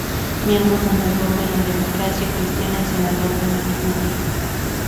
Miembro fundador de la Democracia Cristiana y Senador de la República.